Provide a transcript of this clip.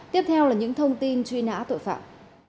tiếp theo là những thông tin truy nã tội phạm